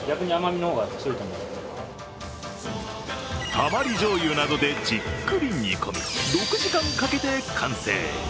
たまりじょうゆなどでじっくり煮込み、６時間かけて完成。